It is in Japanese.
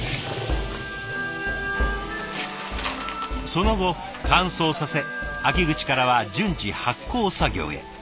その後乾燥させ秋口からは順次発酵作業へ。